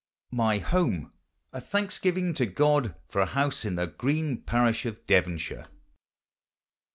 MY HOME. A THANKSGIVING TO GOD FOR A HOUSE IN THE GREEN PARISH OF DEVONSHIRE.